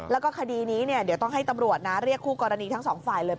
แล้วก็คดีนี้เดี๋ยวต้องให้ตำรวจนะเรียกคู่กรณีทั้งสองฝ่ายเลย